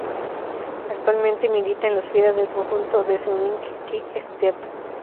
Actualmente milita en las filas del conjunto Deceuninck-Quick Step.